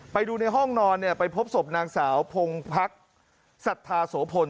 ไปดูในห้องนอนไปพบสมนางสาวพงภักษ์สัทธาโสพล